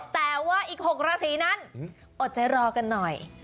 แต่ว่าอีก๖ราศีนั้นอดใจรอกันหน่อย